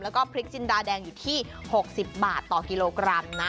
แล้วก็พริกจินดาแดงอยู่ที่๖๐บาทต่อกิโลกรัมนะ